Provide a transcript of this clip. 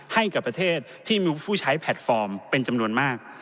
ให้กับประเทศที่มีผู้ใช้แพลตฟอร์มเป็นจำนวนมาก